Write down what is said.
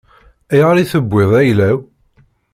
Ayɣer i tewwiḍ ayla-w?